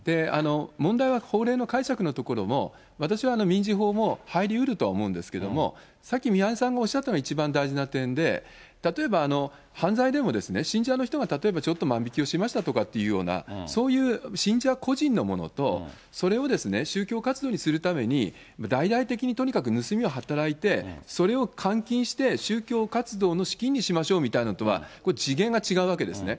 問題は法令の解釈のところも、私は民事法も、入りうるとは思うんですけども、さっき宮根さんがおっしゃったのが一番大事な点で、例えば、犯罪でも信者の人が例えばちょっと万引きをしましたとかっていうような、そういう信者個人のものと、それを宗教活動にするために、大々的にとにかく盗みを働いて、それを換金して宗教活動の資金にしましょうみたいなこととはこれ次元が違うわけですね。